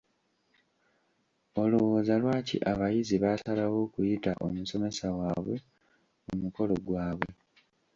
Olowooza lwaki abayizi baasalawo okuyita omusomesa waabwe ku mukolo gwabwe?